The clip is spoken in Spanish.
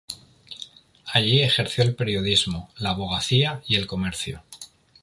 Allí ejerció el periodismo, la abogacía y el comercio.